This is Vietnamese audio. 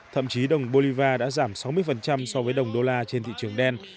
thậm chí đồng bolivar đã giảm sáu mươi so với đồng đô la trên thị trường đen